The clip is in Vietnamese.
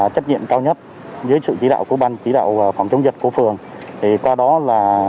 trách nhiệm cao nhất dưới sự chỉ đạo của ban chỉ đạo phòng chống dịch của phường thì qua đó là